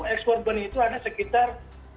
ekspor benih itu ada sekitar